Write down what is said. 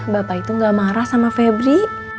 bapak itu gak marah sama febri